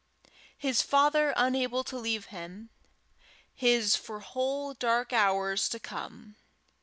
his father unable to leave him his for whole dark hours to come!